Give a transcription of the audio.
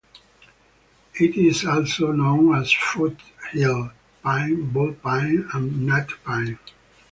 It is also known as foothill pine, bull pine, and nut pine.